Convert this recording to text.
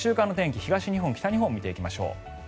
東日本、北日本見ていきましょう。